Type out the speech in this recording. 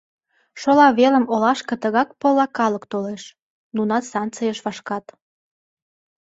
Шола велым олашке тыгак пылла калык толеш, нунат станцийыш вашкат.